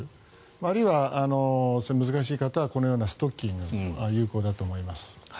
あるいは難しい方はこのようなストッキングが有効だと思います。